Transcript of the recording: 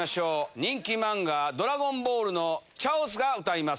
人気漫画、ドラゴンボールのチャオズが歌います。